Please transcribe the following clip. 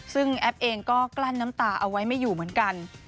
ซึ่งแอปเองก็กลั้นน้ำตาเอาไว้ไม่อยู่เหมือนกัน